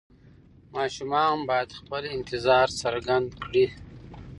ماشومان باید خپل افکار څرګند کړي.